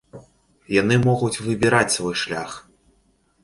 Яны могуць выбіраць свой шлях.